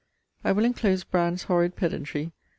I will enclose Brand's horrid pedantry.